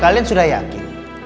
kalian sudah yakin